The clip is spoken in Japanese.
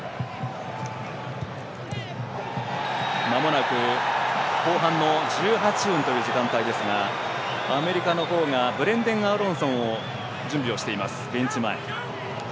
まもなく後半の１８分という時間帯ですがアメリカの方がブレンデン・アーロンソンが準備をしています。